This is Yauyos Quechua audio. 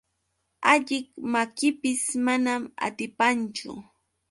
Alliq makipis manan atipanchu.